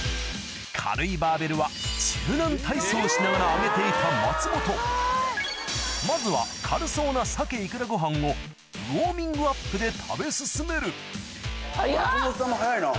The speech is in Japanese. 軽いバーベルはしながら挙げていた松本まずは軽そうな鮭いくらご飯をウオーミングアップで食べ進める早っ！